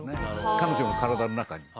彼女の体の中に。